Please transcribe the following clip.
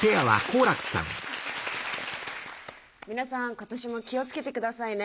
皆さん今年も気を付けてくださいね。